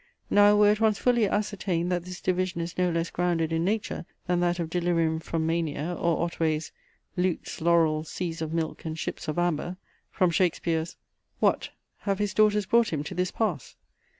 Now were it once fully ascertained, that this division is no less grounded in nature than that of delirium from mania, or Otway's Lutes, laurels, seas of milk, and ships of amber, from Shakespeare's What! have his daughters brought him to this pass?